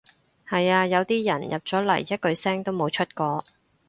係呀，有啲人入咗嚟一句聲都冇出過